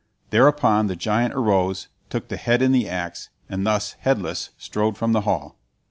Thereupon the giant arose, took the head and the axe, and thus, headless, strode from the hall.